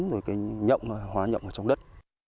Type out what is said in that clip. rồi cái nhộng hóa nhộng ở trong đất